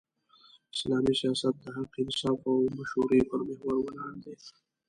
اسلامي سیاست د حق، انصاف او مشورې پر محور ولاړ دی.